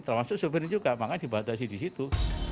termasuk sopir juga makanya dibatasi di situ